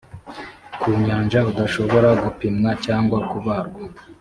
ku nyanja udashobora gupimwa cyangwa kubarwa